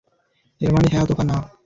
এর মানে হ্যাঁ অথবা না।